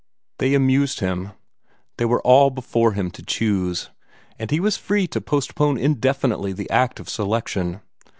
They amused him; they were all before him to choose; and he was free to postpone indefinitely the act of selection.